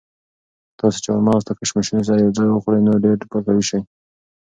که تاسي چهارمغز له کشمشو سره یو ځای وخورئ نو ډېر به قوي شئ.